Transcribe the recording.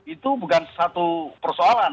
itu bukan satu persoalan